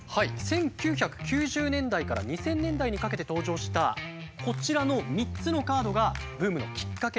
１９９０年代から２０００年代にかけて登場したこちらの３つのカードがブームのきっかけとなりました。